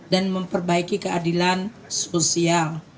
dan memperbaiki keadilan sosial